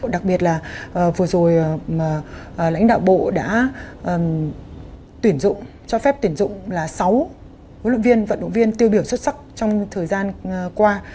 đặc biệt là vừa rồi lãnh đạo bộ đã tuyển dụng cho phép tuyển dụng là sáu huấn luyện viên vận động viên tiêu biểu xuất sắc trong thời gian qua